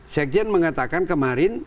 sekjen mengatakan kemarin